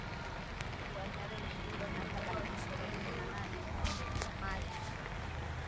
usiku wa tarehe ishirni na saba na ishirini na nane mwezi Machi